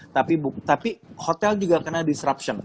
tapi hotel juga kena disruption